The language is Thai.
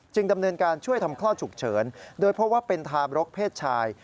ดำเนินการช่วยทำคลอดฉุกเฉินโดยพบว่าเป็นทาบรกเพศชาย